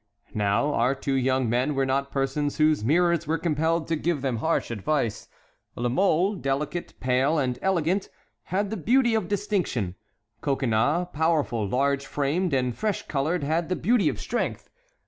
Now our two young men were not persons whose mirrors were compelled to give them harsh advice. La Mole, delicate, pale, and elegant, had the beauty of distinction; Coconnas, powerful, large framed, and fresh colored, had the beauty of strength.